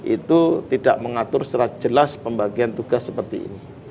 itu tidak mengatur secara jelas pembagian tugas seperti ini